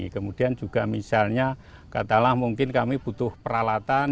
kemudian juga misalnya katakanlah mungkin kami butuh peralatan